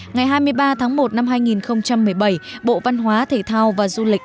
ngày hai mươi ba tháng một năm hai nghìn một mươi bảy bộ văn hóa thể thao và du lịch